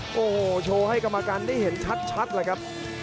โอ้โหโชว์ให้กรรมการได้เห็นชัดเลยครับ